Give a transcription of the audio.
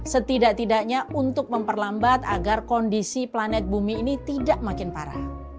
setidak tidaknya untuk memperlambat agar kondisi planet bumi ini tidak makin parah